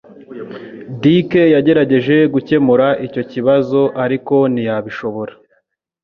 Dick yagerageje gukemura icyo kibazo ariko ntiyabishobora